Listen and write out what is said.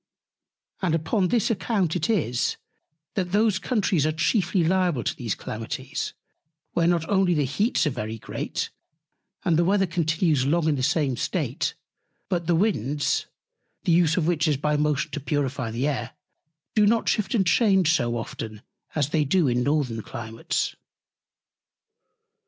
And upon this account it is, that those Countries are chiefly liable to these Calamities, where not only the Heats are very great, and the Weather continues long in the same State; but the Winds (the Use of which is by Motion to purify the Air) do not shift and change so often as they do in Northern Climates.